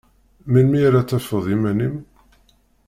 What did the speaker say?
Melmi ara tafeḍ iman-im?